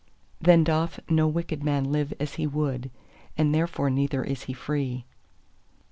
Then doth no wicked man live as he would, and therefore neither is he free.